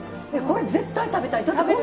これ絶対食べたい！